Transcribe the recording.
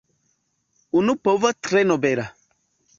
Unu povo tre nobela.